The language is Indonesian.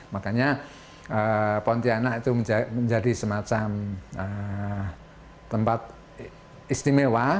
makanya pontianak itu menjadi semacam tempat istimewa